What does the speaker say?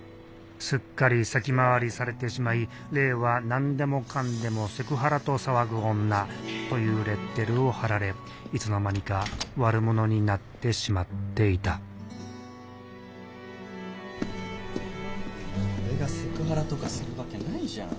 すっかり先回りされてしまい玲は何でもかんでもセクハラと騒ぐ女というレッテルを貼られいつの間にか悪者になってしまっていた俺がセクハラとかするわけないじゃん。